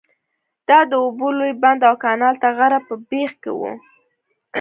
دا د اوبو لوی بند او کانال د غره په بیخ کې وو.